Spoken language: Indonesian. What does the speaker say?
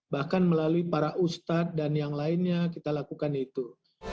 bahkan melalui para ustadz dan yang lainnya kita lakukan itu